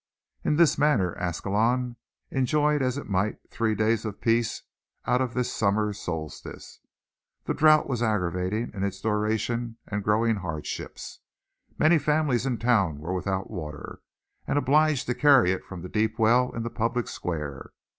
In this manner, Ascalon enjoyed as it might three days of peace out of this summer solstice. The drouth was aggravating in its duration and growing hardships. Many families in town were without water, and obliged to carry it from the deep well in the public square.